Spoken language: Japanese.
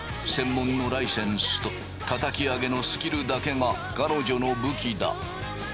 専門のライセンスとたたき上げのスキルだけが彼女の武器だ。